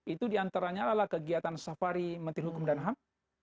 itu diantaranya adalah kegiatan safari menteri hukum dan ham